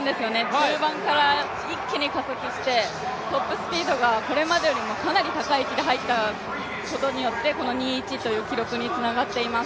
中盤から一気に加速してトップスピードがこれまでよりもかなり高い域で入ったことによってこの２１という記録につながっています。